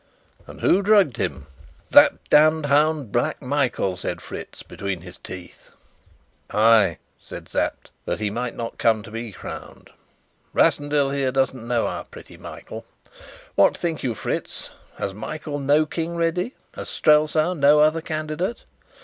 "And who drugged him?" "That damned hound, Black Michael," said Fritz between his teeth. "Ay," said Sapt, "that he might not come to be crowned. Rassendyll here doesn't know our pretty Michael. What think you, Fritz, has Michael no king ready? Has half Strelsau no other candidate?